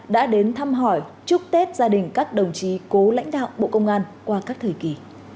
đã đến thăm hỏi chúc tết gia đình các đồng chí cố lãnh đạo bộ công an qua các thời kỳ